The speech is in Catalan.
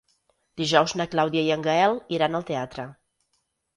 Dijous na Clàudia i en Gaël iran al teatre.